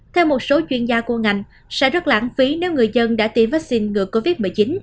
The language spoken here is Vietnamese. theo một số chuyên gia của ngành sẽ rất lãng phí nếu người dân đã tiêm vaccine ngừa covid một mươi chín